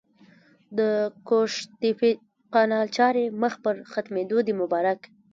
د قوشتېپې کانال چارې مخ پر ختمېدو دي! مبارک